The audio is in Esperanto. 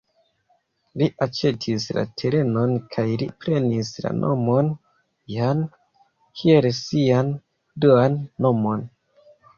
Li aĉetis la terenon, kaj li prenis la nomon "Jan" kiel sian duan nomon.